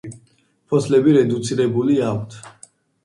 ფოთლები რედუცირებული აქვთ.